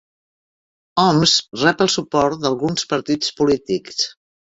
Homs rep el suport d'alguns partits polítics